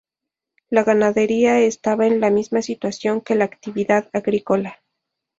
La ganadería estaba en la misma situación que la actividad agrícola.